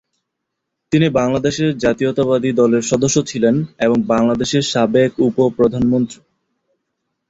তিনি বাংলাদেশ জাতীয়তাবাদী দলের সদস্য ছিলেন এবং বাংলাদেশের সাবেক উপ-প্রধানমন্ত্রী।